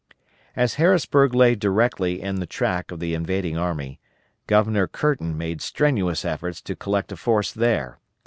As Harrisburg lay directly in the track of the invading army, Governor Curtin made strenuous efforts to collect a force there.